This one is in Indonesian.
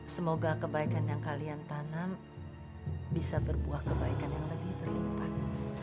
semoga kebaikan yang kalian tanam bisa berbuah kebaikan yang lebih berlipat